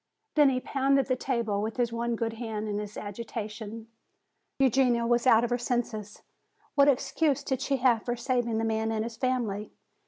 Then he pounded the table with his one good hand in his agitation. "Eugenia was out of her senses. What excuse did she have for saving the man and his family?